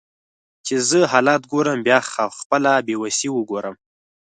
چې زه حالات ګورم بیا خپله بیوسي وګورم